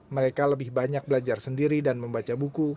mereka lebih banyak belajar sendiri dan membaca buku